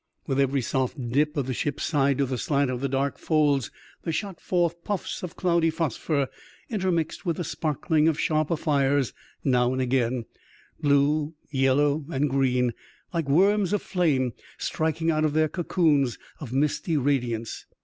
With every soft dip of the ship's side to the slant of the dark folds, there shot forth puflfs of cloudy phosphor, intermixed with a sparkling of sharper fires now and again, blue, yellow, and green, like worms of flame striking out of their cocoons of misty radiance.